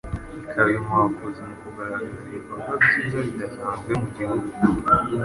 ikaba inkwakuzi mu kugaragaza ibikorwa byiza bidasanzwe mu gihugu,